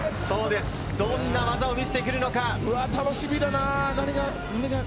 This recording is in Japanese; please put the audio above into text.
どんな技を見せてくるのか？